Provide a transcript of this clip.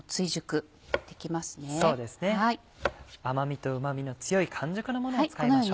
甘みとうまみの強い完熟のものを使いましょう。